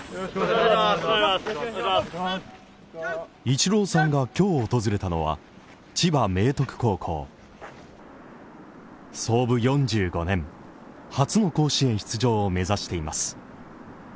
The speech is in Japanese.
イチローさんが今日訪れたのは、千葉明徳高校創部４５年初の甲子園出場を目指しています。